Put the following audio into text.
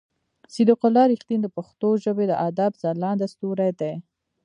صديق الله رښتين د پښتو ژبې د ادب ځلانده ستوری دی.